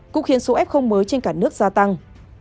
cũng khiến số f mới trên cả nước gia tăng